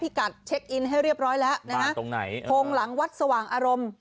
กัดเช็คอินให้เรียบร้อยแล้วนะฮะตรงไหนโพงหลังวัดสว่างอารมณ์